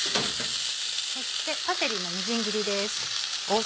そしてパセリのみじん切りです。